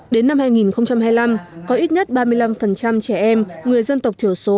đến năm hai nghìn hai mươi năm có ít nhất ba mươi năm trẻ em người dân tộc thiểu số